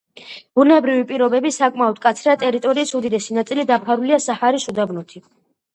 ბუნებრივი პირობები საკმაოდ მკაცრია, ტერიტორიის უდიდესი ნაწილი დაფარულია საჰარის უდაბნოთი.